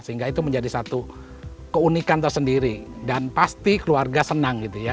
sehingga itu menjadi satu keunikan tersendiri dan pasti keluarga senang gitu ya